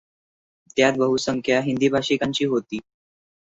त्यात बहुसंख्या हिंदी भाषिकांची होती.